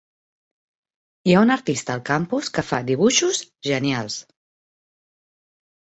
Hi ha un artista al campus que fa dibuixos genials.